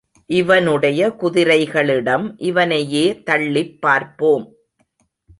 இவனுடைய குதிரைகளிடம் இவனையே தள்ளிப் பார்ப்போம்!